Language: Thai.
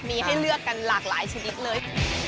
มีให้เลือกกันหลากหลายชนิดเลย